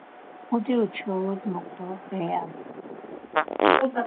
კუდი უჩვეულოდ მოკლეა.